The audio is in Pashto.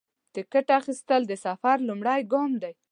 د ټکټ اخیستل د سفر لومړی ګام دی.